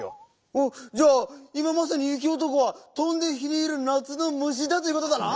おっじゃあいままさにゆきおとこは「とんで火にいるなつのむし」だということだな！